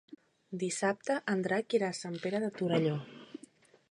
Dissabte en Drac irà a Sant Pere de Torelló.